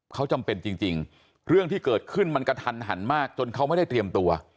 เขาจำเป็นจริงเรื่องที่เกิดขึ้นมันกระทันหันมากจนเขาไม่ได้เตรียมตัว